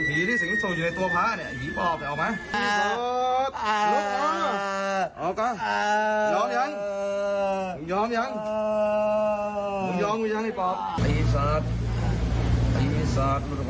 อีนี่ซระนั่นล่ะทั้งไหนหนูนี่ซระ